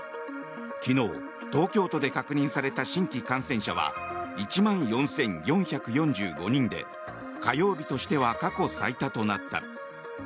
昨日、東京都で確認された新規感染者は１万４４４５人で火曜日としては過去最多となった。